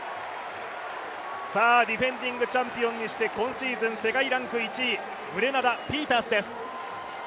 ディフェンディングチャンピオンにして今シーズン世界ランク１位、グレナダ、ピータースです。